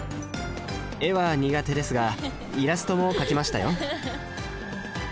絵は苦手ですがイラストも描きましたよ